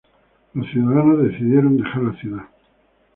Los ciudadanos decidieron dejar la ciudad.